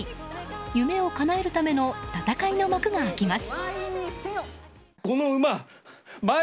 夢をかなえるための戦いの幕が開きます。